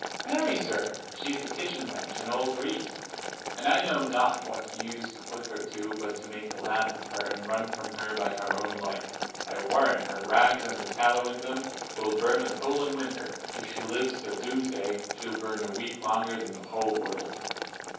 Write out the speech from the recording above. Dro. S. Marry, sir, she's the kitchen wench, and all grease; and I know not what use to put her to, but to make 95 a lamp of her, and run from her by her own light. I warrant, her rags, and the tallow in them, will burn a Poland winter: if she lives till doomsday, she'll burn a week longer than the whole world.